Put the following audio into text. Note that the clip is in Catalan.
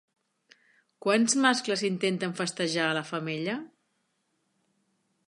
Quants mascles intenten festejar a la femella?